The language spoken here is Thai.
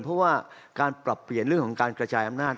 เพราะว่าการปรับเปลี่ยนเรื่องของการกระจายอำนาจ